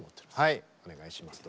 はいお願いします。